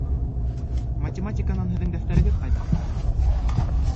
Математиканан һеҙҙең дәфтәрегеҙ ҡайҙа?